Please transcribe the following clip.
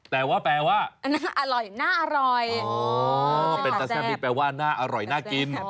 แต่ว่าแปลว่าน่าอร่อยน่าอร่อยเป็นตาแซ่บนี่แปลว่าน่าอร่อยน่ากิน